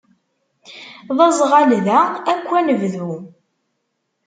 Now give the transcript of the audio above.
D aẓɣal da akk anebdu.